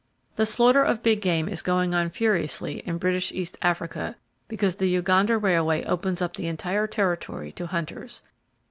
The slaughter of big game is going on furiously in British East Africa because the Uganda Railway opens up the entire territory to hunters.